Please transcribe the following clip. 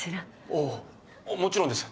ああもちろんです。